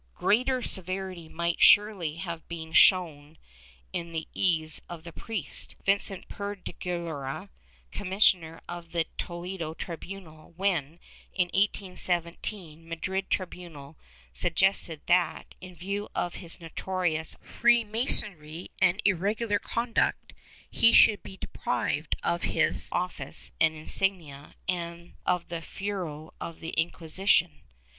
Greater severity might surely have been shown in the case of the priest, Vicente Perdiguera, commissioner of the Toledo tribunal, when, in 1817, the Madrid tribunal suggested that, in view of his notorious Free Masonry and irregular conduct, he should be deprived of his office and insignia and of the fuero of the Inquisition.